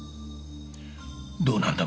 どうなんだ？